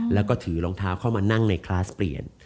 แล้วก็ถือรองเท้าเข้ามานั่งในคลาสเปลี่ยน